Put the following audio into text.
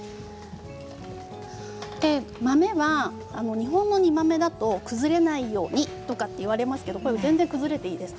日本の煮豆だと崩れないようにとか言われますけれど崩れてもいいです。